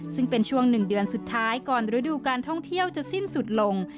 ซึ่งเป็นช่วง๑เดือนสุดท้ายก่อนฤดูการท่องเที่ยวจะสิ้นสุดลง